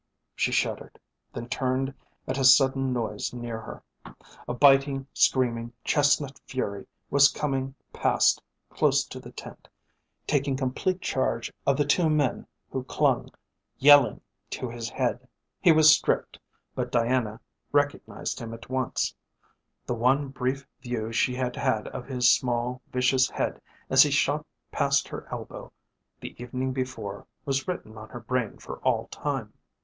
She shuddered, then turned at a sudden noise near her. A biting, screaming chestnut fury was coming past close to the tent, taking complete charge of the two men who clung, yelling, to his head. He was stripped, but Diana recognised him at once. The one brief view she had had of his small, vicious head as he shot past her elbow the evening before was written on her brain for all time.